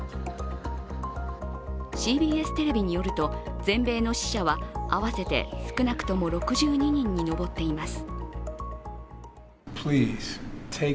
ＣＢＳテレビによると全米の死者は合わせて少なくとも６２人に上っています。